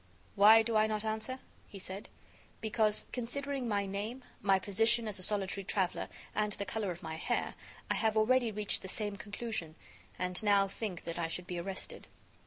"Why do I not answer?" he said. "Because, considering my name, my position as a solitary traveler and the color of my hair, I have already reached the same conclusion, and now think that I should be arrested."